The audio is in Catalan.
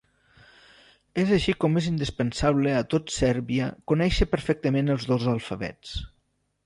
És així com és indispensable a tot Sèrbia conèixer perfectament els dos alfabets.